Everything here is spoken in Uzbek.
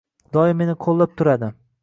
Doim meni qo‘llab turadi.